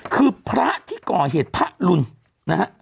คือพระที่ก่อเหตุพระรุนนะฮะ